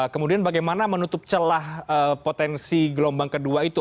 kemudian bagaimana menutup celah potensi gelombang kedua itu